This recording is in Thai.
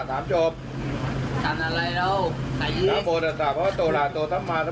ขึ้นอยู่กับความเชื่อนะฮะสุดท้ายเนี่ยทางครอบครัวก็เชื่อว่าป้าแดงก็ไปที่วัดแล้ว